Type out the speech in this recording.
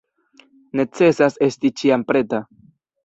Necesas esti ĉiam preta.